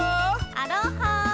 アロハー！